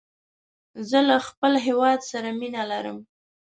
زه له خپل هېواد سره مینه لرم